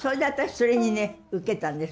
それにね受けたんです。